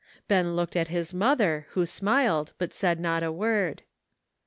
27 Ben looked at his mother, who smiled, but said not a word.